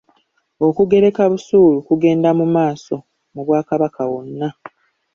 Okugereka busuulu kugenda mumaaso mu Bwakabaka wonna.